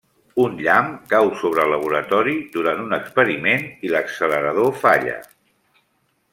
Un llamp cau sobre laboratori durant un experiment i l'accelerador falla.